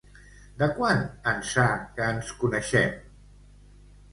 De quan ençà que ens coneixem?